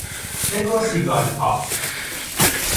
تگوسیگالپا